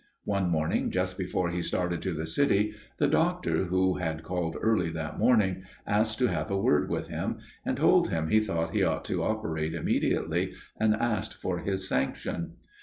One morning just before he started to the City the doctor, who had called early that morning, asked to have a word with him, and told him he thought he ought to operate immediately, and asked for his sanction.